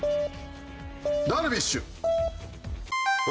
ダルビッシュ。